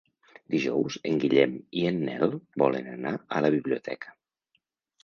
Dijous en Guillem i en Nel volen anar a la biblioteca.